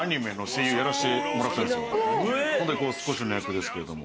ホントに少しの役ですけれども。